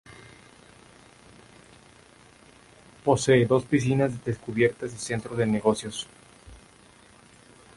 Posee dos piscinas descubiertas y centro de negocios.